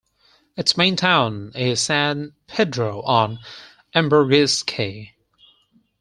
Its main town is San Pedro on Ambergris Caye.